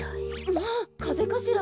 まあかぜかしら。